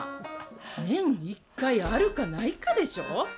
年に１回、あるかないかでしょ。